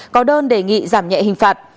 có đơn đề nghị giảm nhẹ hình phạt